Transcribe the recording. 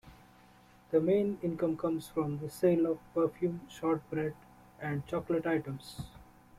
The main income comes from the sale of perfume, shortbread and chocolate items.